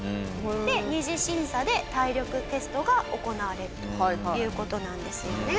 で２次審査で体力テストが行われるという事なんですよね。